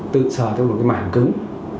tự sờ thấy một cái mảng cứng